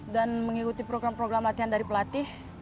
dan mengikuti program program latihan dari pelatih